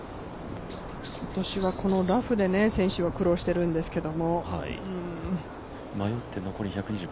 今年はこのラフで、選手が苦労してるんですけど。